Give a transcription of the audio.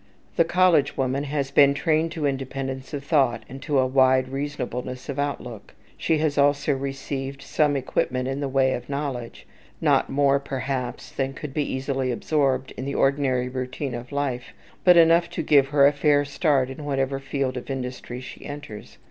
The college woman has been trained to independence of thought, and to a wide reasonableness of outlook. She has also received some equipment in the way of knowledge; not more, perhaps, than could be easily absorbed in the ordinary routine of life, but enough to give her a fair start in whatever field of industry she enters.